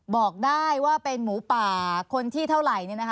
บอกได้ว่าเป็นหมูป่าคนที่เท่าไหร่